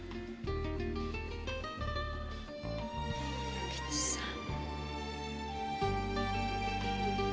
弥吉さん。